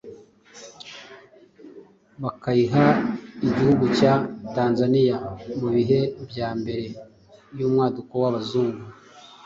bakayiha igihugu cya Tanzaniya. Mu bihe bya mbere y’umwaduko w’abazungu